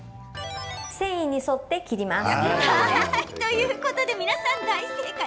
繊維に沿って切ります。